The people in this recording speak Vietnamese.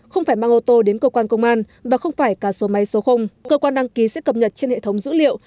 không phải mang ô tô đến cơ quan công an và không phải cả số máy số cơ quan đăng ký sẽ cập nhật trên hệ thống dữ liệu